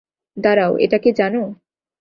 দাঁড়াও, এটা কে জানো?